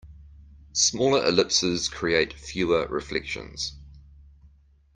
Smaller ellipses create fewer reflections.